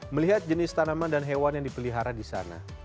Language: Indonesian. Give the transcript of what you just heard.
melihat jenis tanaman dan hewan yang dipelihara di sana